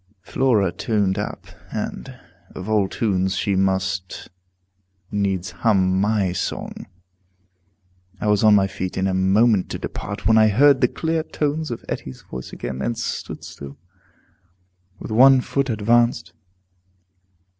Flora tuned up, and, of all tunes, she must needs hum my song. I was on my feet in a moment to depart, when I heard the clear tones of Etty's voice again, and stood still, with one foot advanced.